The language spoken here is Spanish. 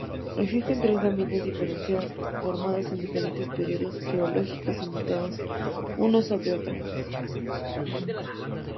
Existen tres dominios diferenciados formados en diferentes periodos geológicos y montados uno sobre otro.